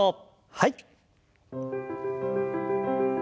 はい。